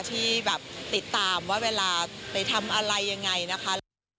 ที่แบบติดตามว่าเวลาไปทำอะไรยังไงนะคะ